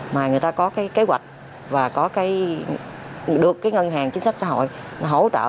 mà người ta có kế hoạch và được ngân hàng chính sách xã hội hỗ trợ